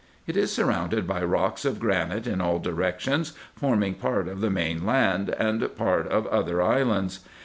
It is surrounded by rocks of granite in all directions, forming part of the main land, and part of other islands.